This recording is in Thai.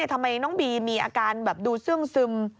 ทำไมน้องบีมีอาการดูซึ่งซึม